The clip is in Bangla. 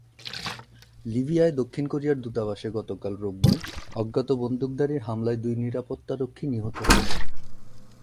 লিবিয়ায় দক্ষিণ কোরিয়ার দূতাবাসে গতকাল রোববার অজ্ঞাত বন্দুকধারীর হামলায় দুই নিরাপত্তারক্ষী নিহত হয়েছেন।